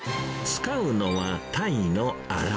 使うのはタイのアラ。